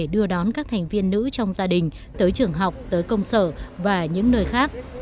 đưa đón các thành viên nữ trong gia đình tới trường học tới công sở và những nơi khác